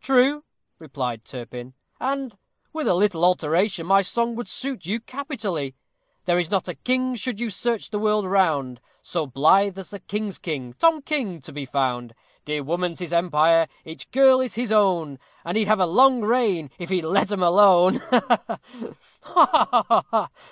"True," replied Turpin, "and, with a little alteration, my song would suit you capitally: There is not a king, should you search the world round, So blithe as the king's king, TOM KING, to be found; Dear woman's his empire, each girl is his own, And he'd have a long reign if he'd let 'em alone. Ha, ha!" "Ha, ha!"